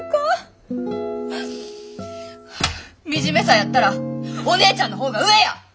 はあ惨めさやったらお姉ちゃんの方が上や！